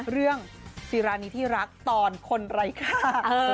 เรื่องสิรานีที่รักตอนคนไร้ข้า